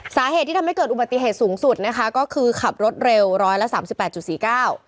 สาเหตุที่ทำให้เกิดอุบัติเหตุสูงสุดนะคะก็คือขับรถเร็วร้อยละสามสิบแปดจุดสี่เก้า